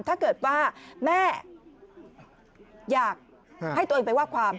ถ้าเกิดว่าแม่อยากให้ตัวเองไปว่าความ